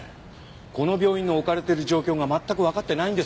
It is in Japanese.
この病院の置かれてる状況が全くわかってないんですね。